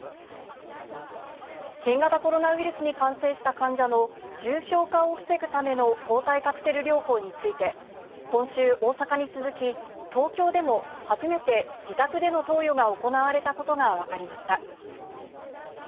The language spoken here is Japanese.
新型コロナウイルスに感染した患者の重症化を防ぐための抗体カクテル療法について、今週、大阪に続き、東京でも初めて自宅での投与が行われたことが分かりました。